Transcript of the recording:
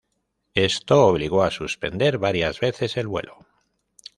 Esto obligó a suspender varias veces el vuelo.